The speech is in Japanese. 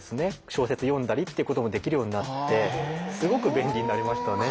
小説読んだりってこともできるようになってすごく便利になりましたね。